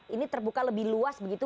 ini terbuka lebih luas begitu